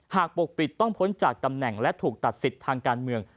ปกปิดต้องพ้นจากตำแหน่งและถูกตัดสิทธิ์ทางการเมือง